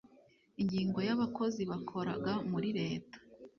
Ingingo ya Abakozi bakoraga muri leta.